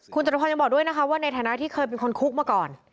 คุณจตุพรยังบอกด้วยนะคะว่าในฐานะที่เคยเป็นคนคุกมาก่อน